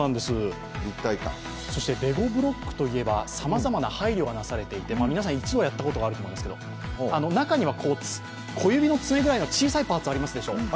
レゴブロックといえばさまざまな配慮がなされていて皆さん一度はやったことがあると思うんですけど中には小指の爪くらいの小さいパーツがあるでしょう。